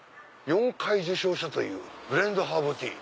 ４回受賞したというブレンドハーブティー。